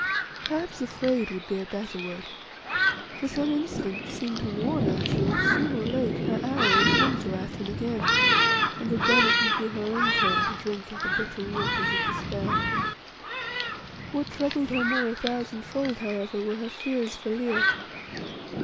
Perhaps "afraid" would be a better word, for some instinct seemed to warn Ayesha that soon or late her hour would come to Atene again, and that then it would be her own turn to drink of the bitter waters of despair. What troubled her more a thousandfold, however, were her fears for Leo.